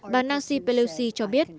bà nancy pelosi cho biết